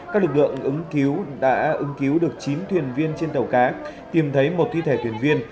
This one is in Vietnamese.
các lực lượng ứng cứu đã ứng cứu được chín thuyền viên trên tàu cá tìm thấy một thi thể thuyền viên